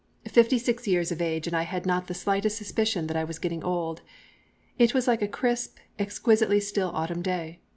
Fifty six years of age and I had not the slightest suspicion that I was getting old. It was like a crisp, exquisitely still autumn day.